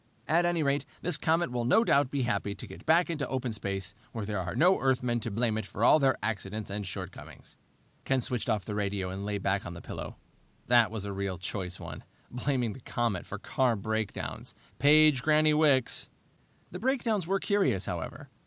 At any rate, this comet will no doubt be happy to get back into open space, where there are no Earthmen to blame it for all their accidents and shortcomings!" Ken switched off the radio and lay back on the pillow. That was a real choice one blaming the comet for car breakdowns! Page Granny Wicks! The breakdowns were curious, however.